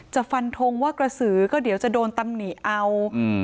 ฟันทงว่ากระสือก็เดี๋ยวจะโดนตำหนิเอา